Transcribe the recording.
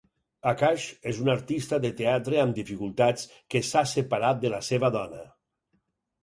Akash és un artista de teatre amb dificultats que s'ha separat de la seva dóna.